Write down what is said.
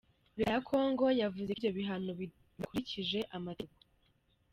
Reta ya Congo yavuze ko ivyo bihano bidakurikije amategeko.